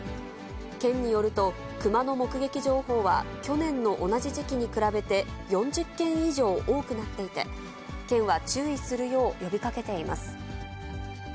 県によると、クマの目撃情報は、去年の同じ時期に比べて４０件以上多くなっていて、県は注意するよう呼びかけています。